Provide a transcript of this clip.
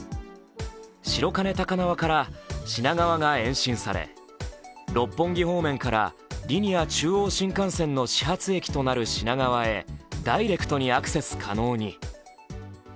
白金高輪から品川が延伸され、六本木方面からリニア中央新幹線の始発駅になる品川へダイレクトにアクセス可能に。